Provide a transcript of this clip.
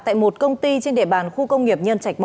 tại một công ty trên địa bàn khu công nghiệp nhân trạch một